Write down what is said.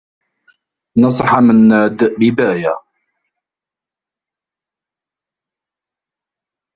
نصح منّاد بباية.